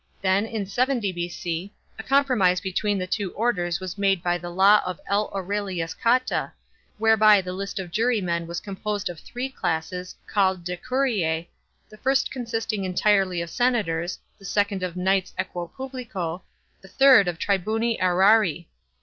then in 70 B.O., a compromise between the two orders was made by the law of L. Aurelius Cotta, whereby the list of jurymen was composed of three classes, called decurise, the first consisting entirely of senators, the second of knights equo puttico, the third of tribuni xrarii.